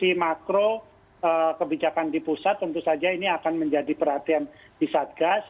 dari sisi makro kebijakan di pusat tentu saja ini akan menjadi perhatian di saat gas